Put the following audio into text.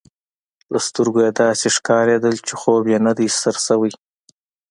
له سترګو يې داسي ښکارېدل، چي خوب یې نه دی سر شوی.